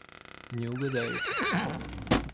Не угадаете.